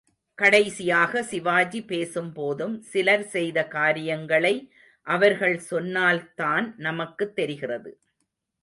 கடைசியாக சிவாஜி பேசும்போதும், சிலர் செய்த காரியங்களை அவர்கள் சொன்னால்தான் நமக்குத் தெரிகிறது.